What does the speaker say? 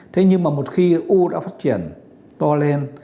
thế nhưng mà một khi u đã phát triển to lên